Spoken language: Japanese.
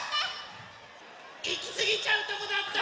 いきすぎちゃうとこだった！